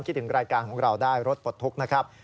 คิดถึงรายการของเราได้รถปลดทุกข์นะครับ